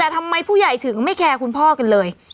แต่ทำไมผู้ใหญ่ถึงไม่แคร์คุณพ่อกันเลย